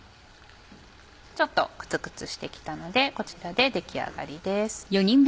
ちょっとクツクツして来たのでこちらで出来上がりです。